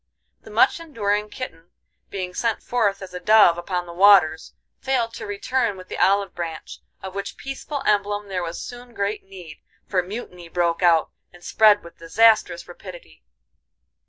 The much enduring kitten being sent forth as a dove upon the waters failed to return with the olive branch; of which peaceful emblem there was soon great need, for mutiny broke out, and spread with disastrous rapidity.